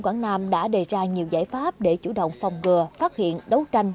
quảng nam đã đề ra nhiều giải pháp để chủ động phòng ngừa phát hiện đấu tranh